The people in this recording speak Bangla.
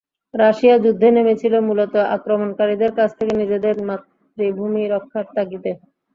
রাশিয়া যুদ্ধে নেমেছিল মূলত আক্রমণকারীদের কাছ থেকে নিজেদের মাতৃভূমি রক্ষার তাগিদে।